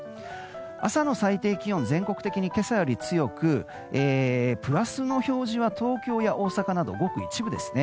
朝の最低気温は全国的に今朝より強くプラスの表示は東京や大阪などごく一部ですね。